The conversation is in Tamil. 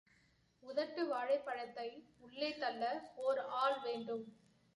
உதட்டு வாழைப் பழத்தை உள்ளே தள்ள ஓர் ஆள் வேண்டும்.